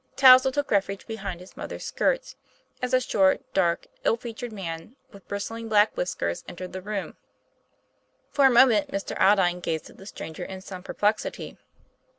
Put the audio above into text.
Touzle. took refuge behind his mother's skirts, as TOM PLAYFAIR. 221 a short, dark, ill featured man, with bristling black whiskers, entered the room. For a moment Mr. Aldine gazed at the stranger in some perplexity.